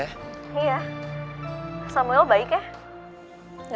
iya samuel baik ya